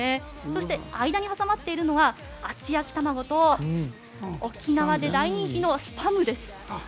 そして、間に挟まっているのが厚焼き玉子と沖縄で大人気のスパムです。